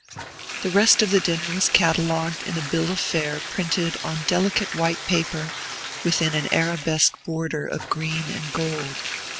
The rest of the dinner was catalogued in a bill of fare printed on delicate white paper within an arabesque border of green and gold.